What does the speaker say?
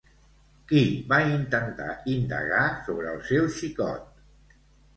Qui va intentar indagar sobre el seu xicot?